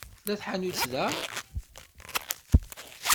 Tella tḥanutt da?